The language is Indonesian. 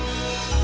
ibu ibu ibu